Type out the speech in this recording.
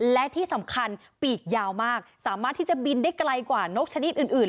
และที่สำคัญปีกยาวมากสามารถที่จะบินได้ไกลกว่านกชนิดอื่น